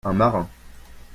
Un marin.